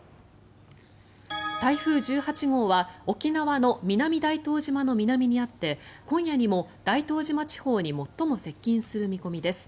台風１８号は沖縄の南大東島の南にあって今夜にも大東島地方に最も接近する見込みです。